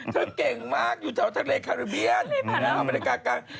เธอเก่งมากอยู่ทะเลฮารีเบียนอเมริกากลาง